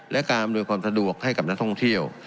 และการอำนวยความสะดวกให้กับนักท่องเที่ยว